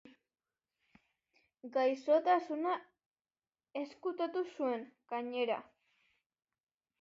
Gaixotasuna ezkutatu zuen, gainera.